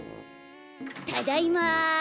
ただいま。